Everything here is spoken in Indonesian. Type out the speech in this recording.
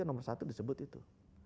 karena nomor satu disebut itu